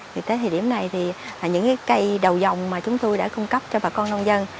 tới thời điểm này những cây đầu dòng mà chúng tôi đã cung cấp cho bà con nông dân